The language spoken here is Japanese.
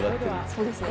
そうですね。